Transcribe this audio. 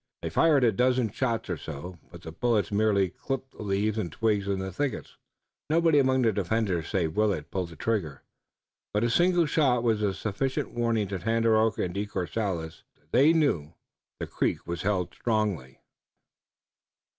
They fired a dozen shots or so, but the bullets merely clipped leaves and twigs in the thickets. Nobody among the defenders save Willet pulled trigger, but his single shot was a sufficient warning to Tandakora and De Courcelles. They knew that the creek was held strongly.